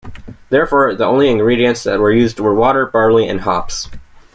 Therefore, the only ingredients that were used were water, barley, and hops.